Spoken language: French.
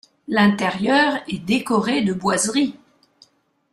L’intérieur est décoré de boiseries.